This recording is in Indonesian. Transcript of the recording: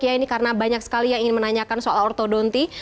ya ini karena banyak sekali yang ingin menanyakan soal ortodonti